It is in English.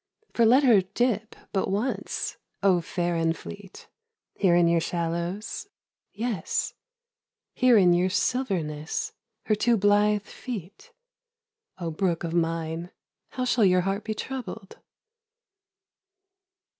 For let her dip but once O fair and fleet, Here in your shallows, yes, Here in your silverness Her two blithe feet, O Brook of mine, how shall your heart be troubled!